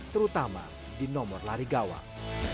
terutama di nomor lari gawang